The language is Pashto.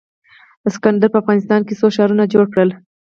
اسکندر په افغانستان کې څو ښارونه جوړ کړل